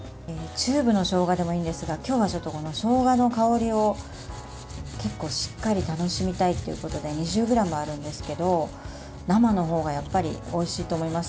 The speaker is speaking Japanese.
チューブのしょうがでもいいんですが今日は、しょうがの香りを結構、しっかり楽しみたいっていうことで２０ｇあるんですけど生のほうがおいしいと思います。